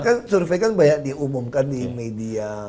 kan survei kan banyak diumumkan di media